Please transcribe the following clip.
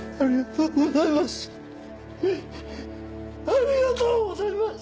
ありがとうございます！